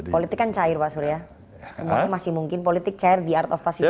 politik kan cair pak surya semuanya masih mungkin politik cair di art of position